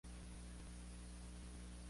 El caso de las franjas destinadas a calles".